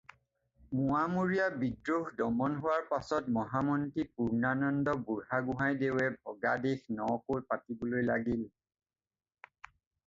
মোৱামৰীয়া বিদ্ৰোহ দমন হোৱাৰ পাছত মহামন্ত্ৰী পূৰ্ণানন্দ বুঢ়াগোঁহাইদেৱে ভগা দেশ ন-কৈ পাতিবলৈ লাগিল।